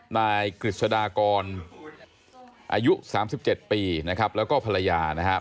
นายกฤษฎากรอายุ๓๗ปีนะครับแล้วก็ภรรยานะครับ